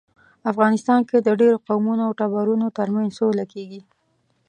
افغانستان کې د ډیرو قومونو او ټبرونو ترمنځ سوله کیږي